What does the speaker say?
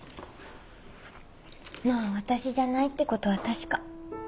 まあ私じゃないってことは確か。